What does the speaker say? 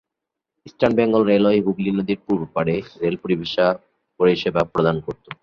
Eastern Bengal Railway Hooghly নদীর পূর্ব পাড়ে রেল পরিষেবা প্রদান করত।